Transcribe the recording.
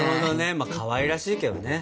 まあかわいらしいけどね。